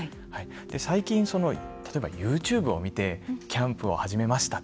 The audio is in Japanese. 最近例えばＹｏｕＴｕｂｅを見てキャンプを始めました